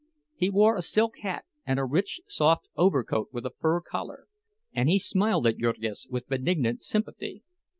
He wore a silk hat and a rich soft overcoat with a fur collar; and he smiled at Jurgis with benignant sympathy.